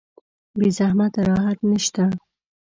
بې زحمت راحت نشته